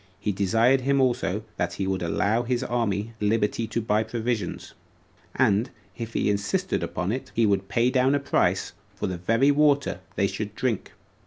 He desired him also, that he would allow his army liberty to buy provisions; and, if he insisted upon it, he would pay down a price for the very water they should drink.